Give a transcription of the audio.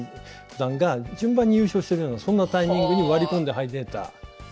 段が順番に優勝してるようなそんなタイミングに割り込んで入れた。